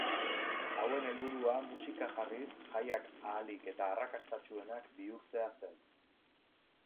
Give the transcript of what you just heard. Hauen helburua musika jarriz jaiak ahalik eta arrakastatsuenak bihurtzea zen.